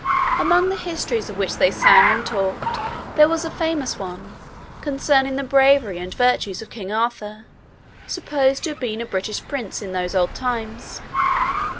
Among the histories of which they sang and talked, there was a famous one, concerning the bravery and virtues of King Arthur, supposed to have been a British Prince in those old times.